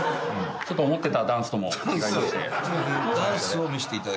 ちょっと思ってたダンスとも違いまして。